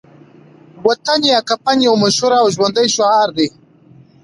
وطن یا کفن يو مشهور او ژوندی شعار دی